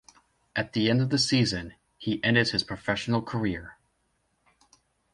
At the end of the season, he ended his professional career.